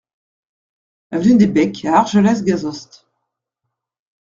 Avenue de Besques à Argelès-Gazost